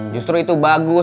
justru itu bagus